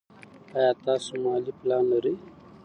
ایا تاسو مالي پلان لرئ.